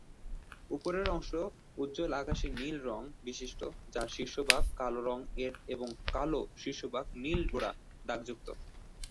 উপরের অংশ উজ্জ্বল আকাশী নীল রঙ বিশিষ্ট যার শীর্ষভাগ কালো রঙ এর এবং এই কালো শীর্ষভাগ নীল ডোরা দাগযুক্ত।